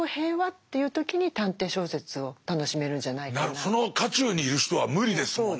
まあでもその渦中にいる人は無理ですもんね。